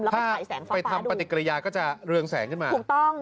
ถ้าไปทำปฏิกิริยาก็จะเรืองแสงขึ้นมาถูกต้อง